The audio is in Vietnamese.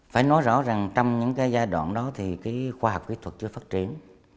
phải nói rõ rằng trong những giai đoạn đó thì khoa học kỹ thuật chưa phát triển